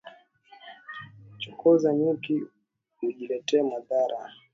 Chokoza nyuki ujiletee madhara